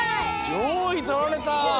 じょういとられた。